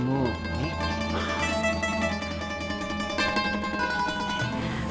mama itu anakku